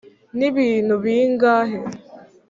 nibintu bingahe,